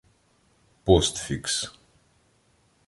Постфікс